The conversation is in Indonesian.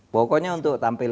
pokoknya untuk tampil